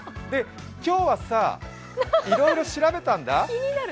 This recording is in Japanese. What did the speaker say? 今日はさ、いろいろ調べたんだ。